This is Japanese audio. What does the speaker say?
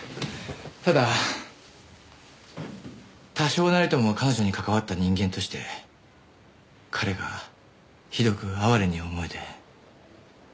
ただ多少なりとも彼女に関わった人間として彼がひどく哀れに思えて。